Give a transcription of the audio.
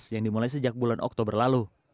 yang dimulai sejak bulan oktober lalu